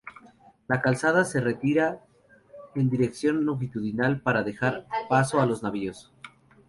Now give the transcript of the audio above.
La calzada se retira en dirección longitudinal para dejar paso a los navíos.